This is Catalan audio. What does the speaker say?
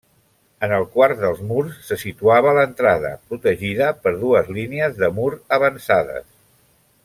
En el quart dels murs se situava l'entrada, protegida per dues línies de mur avançades.